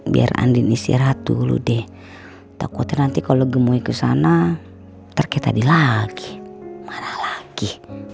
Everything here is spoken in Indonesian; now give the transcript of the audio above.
biar andi istirahat dulu deh takut nanti kalau gemuk ke sana terkita di lagi lagi